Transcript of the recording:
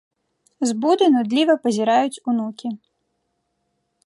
З буды нудліва пазіраюць унукі.